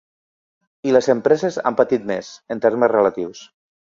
I les empreses han patit més, en termes relatius.